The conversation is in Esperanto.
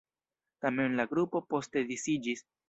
Tamen la grupo poste disiĝis.